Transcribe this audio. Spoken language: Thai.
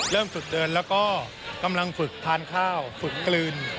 ฝึกเดินแล้วก็กำลังฝึกทานข้าวฝึกกลืน